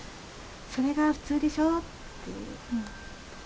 それが普通でしょ。